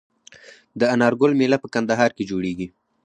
د انار ګل میله په کندهار کې جوړیږي.